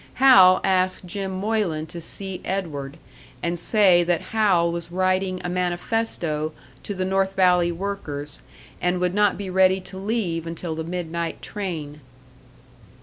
Hal asked Jim Moylan to see Edward, and say that Hal was writing a manifesto to the North Valley workers, and would not be ready to leave until the midnight train.